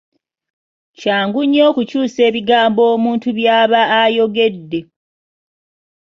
Kyangu nnyo okukyusa ebigambo omuntu byaba ayogedde.